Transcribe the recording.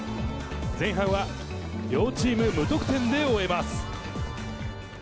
前半は両チーム無得点で終えます。